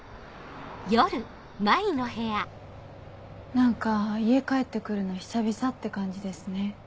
何か家帰って来るの久々って感じですね。